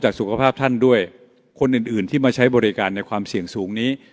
คนอื่นที่มาใช้บริการในความเสี่ยงสูงนี้